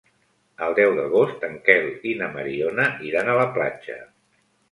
El deu d'agost en Quel i na Mariona iran a la platja.